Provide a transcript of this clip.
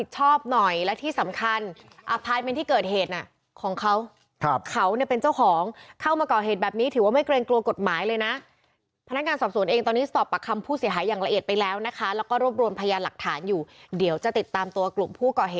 ชัดมากต้องสับสนกันต่อนะครับ